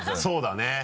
そうだね。